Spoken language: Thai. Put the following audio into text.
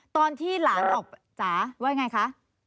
ตอนที่หลานออกจ๋าว่าไงคะ